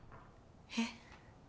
えっ。